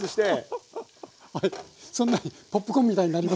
ハハハハそんなにポップコーンみたいになりますか？